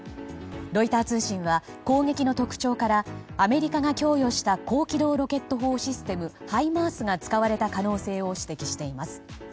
ロイター通信は攻撃の特徴からアメリカが供与した高機動ロケットシステムハイマースが使われた可能性を指摘しています。